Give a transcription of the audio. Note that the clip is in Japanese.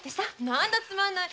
何だつまんない。